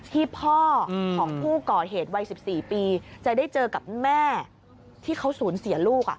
ที่พ่อของผู้ก่อเหตุวัย๑๔ปีจะได้เจอกับแม่ที่เขาสูญเสียลูก